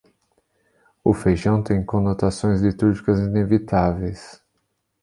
O feijão tem conotações litúrgicas inevitáveis.